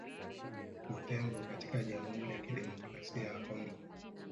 Butembo katika Jamhuri ya Kidemokrasia ya Kongo